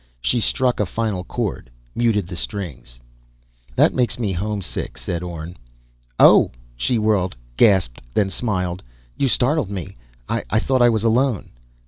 She struck a final chord, muted the strings. "That makes me homesick," said Orne. "Oh!" She whirled, gasped, then smiled. "You startled me. I thought I was alone."